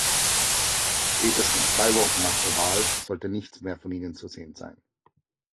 Spätestens zwei Wochen nach der Wahl sollte nichts mehr von ihnen zu sehen sein.